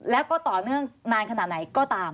แล้วก็ต่อเนื่องนานขนาดไหนก็ตาม